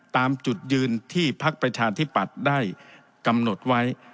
ตามจุดยืนที่พักประชาธิปัตย์ได้กำหนดไว้